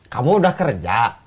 kamu udah kerja